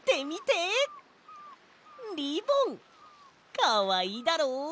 かわいいだろう？